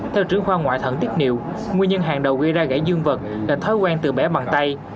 theo trưởng khoa ngoại thận tiết niệu nguyên nhân hàng đầu gây ra gãy dương vật là thói quen từ bé bằng tay